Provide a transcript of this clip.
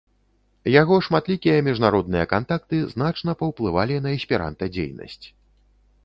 Яго шматлікія міжнародныя кантакты значна паўплывалі на эсперанта-дзейнасць.